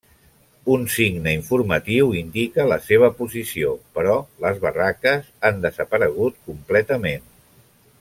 Un signe informatiu indica la seva posició, però les barraques han desaparegut completament.